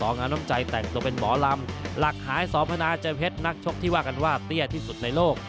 ในชกที่ว่ากันว่าเตี้ยที่สุดในโลก